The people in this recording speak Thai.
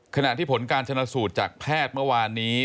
ขณะที่ผลการชนะสูตรจากแพทย์เมื่อวานนี้